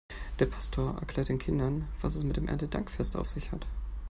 Der Pastor erklärt den Kindern, was es mit dem Erntedankfest auf sich hat.